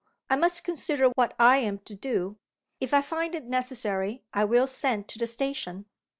I must consider what I am to do. If I find it necessary I will send to the station.